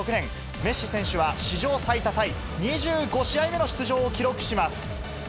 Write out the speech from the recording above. メッシ選手は史上最多タイ、２５試合目の出場を記録します。